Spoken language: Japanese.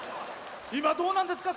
今、どうなんですか？